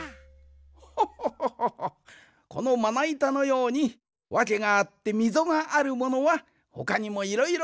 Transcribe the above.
ホホホホホホッこのまないたのようにわけがあってみぞがあるものはほかにもいろいろある。